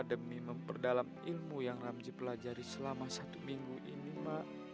demi memperdalam ilmu yang ramji pelajari selama satu minggu ini mbak